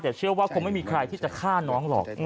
แต่เชื่อว่าคงไม่มีใครที่จะฆ่าน้องหรอก